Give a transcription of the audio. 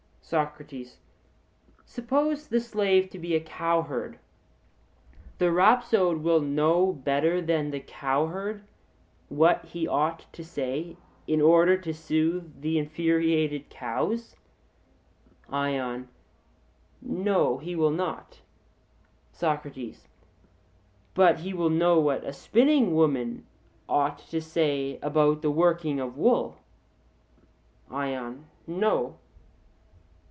SOCRATES: Suppose the slave to be a cowherd; the rhapsode will know better than the cowherd what he ought to say in order to soothe the infuriated cows? ION: No, he will not. SOCRATES: But he will know what a spinning woman ought to say about the working of wool? ION: No.